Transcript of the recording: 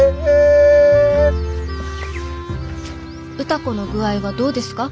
「歌子の具合はどうですか？